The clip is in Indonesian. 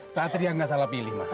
satria gak salah pilih ma